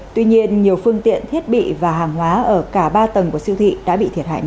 tuy nhiên nhiều phương tiện thiết bị và hàng hóa ở cả ba tầng của siêu thị đã bị thiệt hại nặng